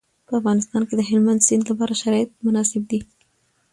په افغانستان کې د هلمند سیند لپاره شرایط مناسب دي.